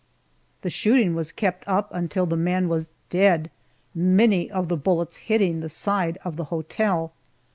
The shooting was kept up until after the man was dead, many of the bullets hitting the side of the hotel.